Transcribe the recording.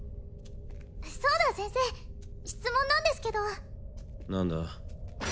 そうだ先生質問なんですけど何だ？